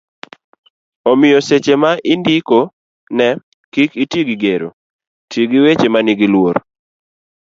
omiyo seche ma indiko ne kik iti gi gero, ti gi weche manigi luor